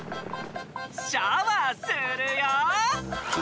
シャワーするよ！